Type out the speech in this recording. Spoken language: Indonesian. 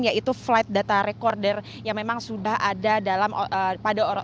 yaitu flight data recorder yang memang sudah ada pada orang